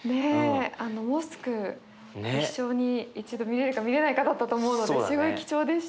あのモスク一生に一度見れるか見れないかだったと思うのですごい貴重でした。